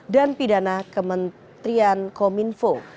dan pidana kementerian kominfo